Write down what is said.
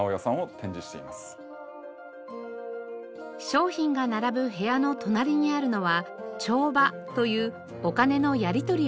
商品が並ぶ部屋の隣にあるのは帳場というお金のやりとりをする場所。